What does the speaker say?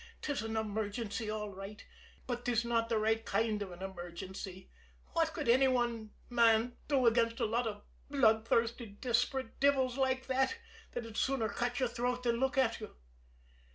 "'Tis an emergency, all right but 'tis not the right kind of an emergency. What could any one man do against a lot of bloodthirsty, desperate devils like that, that'd sooner cut your throat than look at you!"